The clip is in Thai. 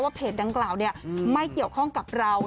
เพจดังกล่าวไม่เกี่ยวข้องกับเรา